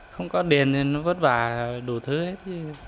không có đèn thì nó vất vả đủ thứ hết